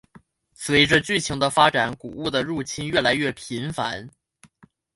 随着剧情的发展古物的入侵越来越频繁。